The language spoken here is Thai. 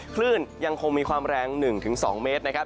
คลื่นยังคงมีความแรง๑๒เมตรนะครับ